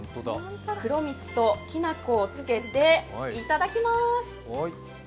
黒蜜ときな粉をつけていただきます。